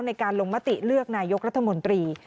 ในการลงมติเลือกนายกรัฐมนตรี